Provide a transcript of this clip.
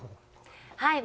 はい。